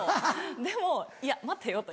でもいや待てよ？と。